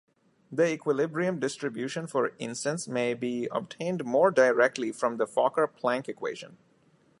The equilibrium distribution for instance may be obtained more directly from the Fokker-Planck equation.